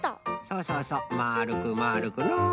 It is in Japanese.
そうそうそうまるくまるくの。